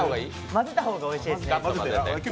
混ぜた方がおいしいです。